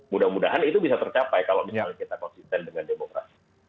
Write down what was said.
mudah mudahan itu bisa tercapai kalau misalnya kita konsisten dengan demokrasi